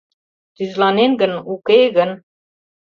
Тӱзланен гын, уке гын?